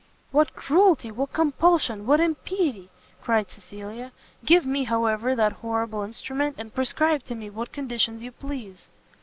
"What cruelty! what compulsion! what impiety!" cried Cecilia: "give me, however, that horrible instrument, and prescribe to me what conditions you please."